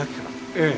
ええ。